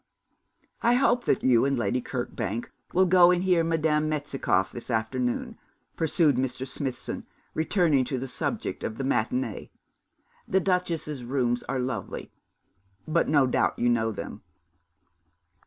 'I hope that you and Lady Kirkbank will go and hear Madame Metzikoff this afternoon,' pursued Mr. Smithson, returning to the subject of the matinée. 'The duchess's rooms are lovely; but no doubt you know them.'